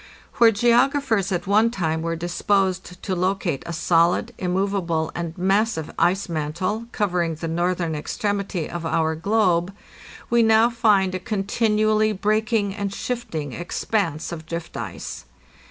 Where geographers at one time were disposed to locate a solid, immovable, and massive ice mantle, covering the northern extremity of our slobe, we now find a continually breaking and shifting expanse of drift ice.